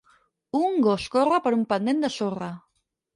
Un gos corre per un pendent de sorra